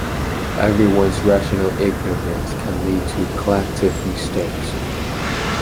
Everyone’s rational ignorance can lead to collective mistakes.